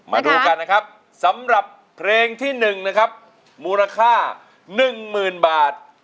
มาดูกันนะครับสำหรับเพลงที่๑นะครับมูลค่า๑๐๐๐บาท